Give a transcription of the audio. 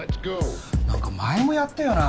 何か前もやったよな